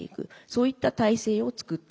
そういった体制を作って頂く。